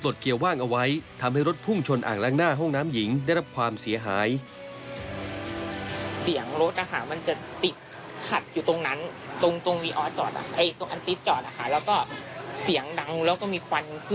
ก่อนที่จะกลับมาสนุนเครื่องแต่ปรากฏว่าลืมตรงเกียวว่างเอาไว้